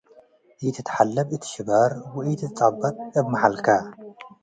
ኢትትሐለብ እት ሽባር - ወኢትዘበጥ እብ መሐልከ